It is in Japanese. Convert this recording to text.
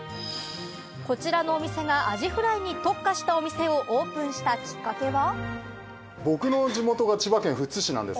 こちらのお店がアジフライに特化したお店をオープンしたきっかけは。